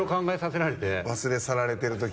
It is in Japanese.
忘れ去られてるとき。